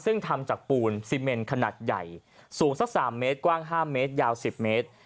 ซึ่งทำจากปูนซีเมนขนาดใหญ่สูงสัก๓เมตรกว้าง๕เมตรยาว๑๐เมตร